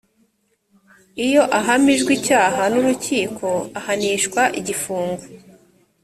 iyo ahamijwe icyaha n’ urukiko ahanishwa igifungo